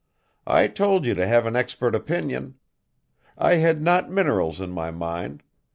I told you to have an expert opinion. I had not minerals in my mind.